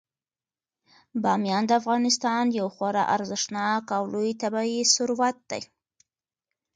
بامیان د افغانستان یو خورا ارزښتناک او لوی طبعي ثروت دی.